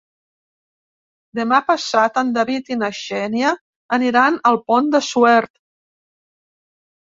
Demà passat en David i na Xènia aniran al Pont de Suert.